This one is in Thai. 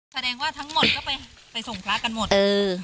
แสดงว่าทั้งหมดก็ไปส่งพระกันหมด